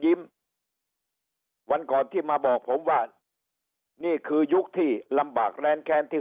วันก่อนที่มาบอกผมว่านี่คือยุคที่ลำบากแรงแค้นที่